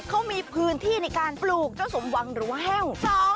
เขามีพื้นที่ในการปลูกเจ้าสมหวังหรือว่าแห้ว